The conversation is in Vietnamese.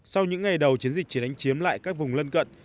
sau những ngày đầu chiến dịch chỉ đánh chiếm lại các vùng lân cận